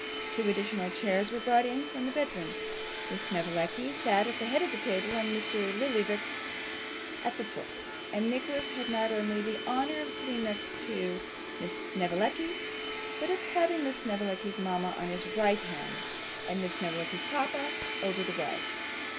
Two additional chairs were brought in from the bedroom: Miss Snevellicci sat at the head of the table, and Mr. Lillyvick at the foot; and Nicholas had not only the honour of sitting next Miss Snevellicci, but of having Miss Snevellicci's mama on his right hand, and Miss Snevellicci's papa over the way.